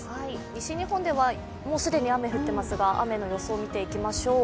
西日本ではもう既に雨が降っていますが、雨の予想を見ていきましょう。